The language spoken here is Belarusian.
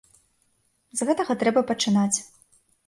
З гэтага трэба пачынаць.